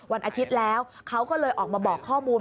วันอาทิตย์แล้วเขาก็เลยออกมาบอกข้อมูล